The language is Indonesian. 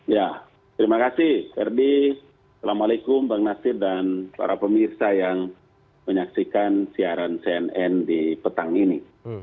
ya terima kasih ferdi assalamualaikum bang nasir dan para pemirsa yang menyaksikan siaran cnn di petang ini